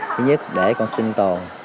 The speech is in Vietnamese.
thứ nhất để con sinh tồn